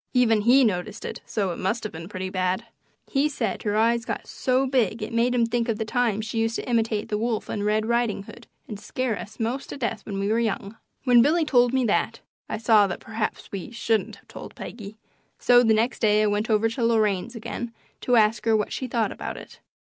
Even he noticed it, so it must have been pretty bad. He said her eyes got so big it made him think of the times she used to imitate the wolf in Red Riding Hood and scare us 'most to death when we were young. When Billy told me that, I saw that perhaps we shouldn't have told Peggy, so the next day I went over to Lorraine's again to ask her what she thought about it.